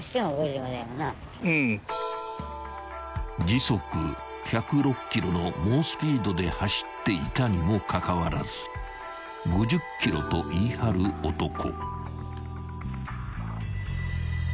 ［時速１０６キロの猛スピードで走っていたにもかかわらず５０キロと言い張る男］